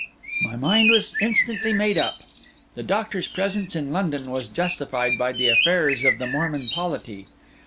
My mind was instantly made up. The doctor's presence in London was justified by the affairs of the Mormon polity.